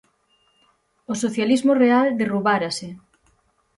O socialismo real derrubárase.